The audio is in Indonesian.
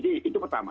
nah itu pertama